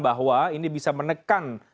bahwa ini bisa menekan